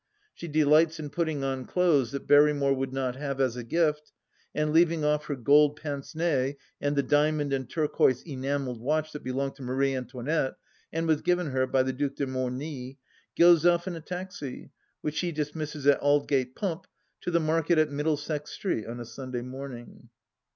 She delights in putting on clothes that Berrymore would not have at a gift, and, leaving off her gold pince nez and the diamond and turquoise enamelled watch that belonged to Marie Antoinette and was given her by the Due de Morny, goes off in a taxi, which she dismisses at Aldgate Pump, to the market at Middlesex Street on a Sunday morning.